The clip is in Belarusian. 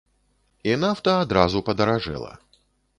І нафта адразу падаражэла.